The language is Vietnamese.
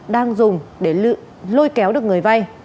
đang dùng để lôi kéo được người vay